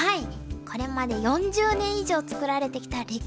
これまで４０年以上作られてきた歴史ある新聞なんです。